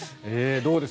どうです？